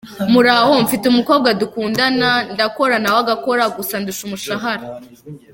Muraho? Mfite umukobwa dukundana, ndakora na we agakora gusa andusha umushahara .